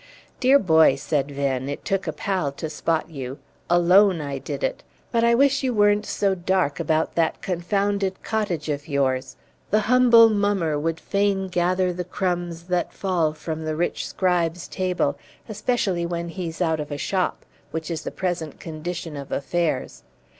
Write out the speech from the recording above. "Dear boy," said Venn, "it took a pal to spot you. Alone I did it! But I wish you weren't so dark about that confounded cottage of yours; the humble mummer would fain gather the crumbs that fall from the rich scribe's table, especially when he's out of a shop, which is the present condition of affairs.